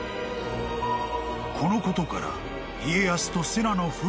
［このことから］